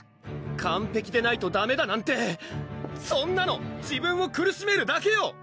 完璧でないとダメだなんてそんなの自分を苦しめるだけよ！